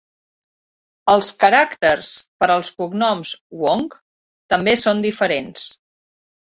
Els caràcters per als cognoms "Wong" també són diferents.